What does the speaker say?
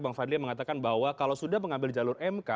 bang fadli mengatakan bahwa kalau sudah mengambil jalur mk